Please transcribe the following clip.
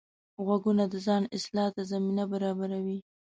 غوږونه د ځان اصلاح ته زمینه برابروي